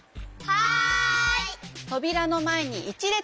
はい！